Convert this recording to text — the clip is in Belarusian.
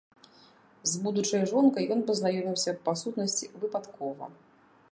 З будучай жонкай ён пазнаёміўся па сутнасці выпадкова.